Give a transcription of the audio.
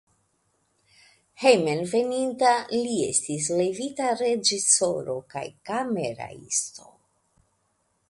Hejmenveninta li estis levita reĝisoro kaj kameraisto.